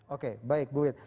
oke baik bu wit